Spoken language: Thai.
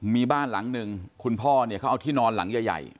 มีบ้านหลังหนึ่งคุณพ่อเนี่ยเขาเอาที่นอนหลังใหญ่